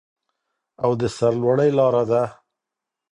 او د سرلوړۍ لاره ده.